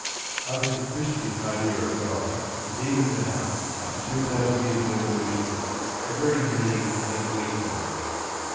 I think the Christian idea of God is even now, after two thousand years of evolution, a very mean and weak one.